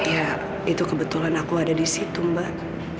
ya itu kebetulan aku ada di situ mbak